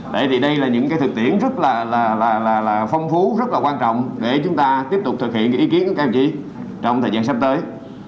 tại vì đây là những cái thực tiễn rất là phong phú rất là quan trọng để chúng ta tiếp tục thực hiện ý kiến của các em chỉ trong thời gian sắp tới